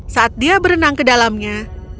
saat dia berenang ke dalamnya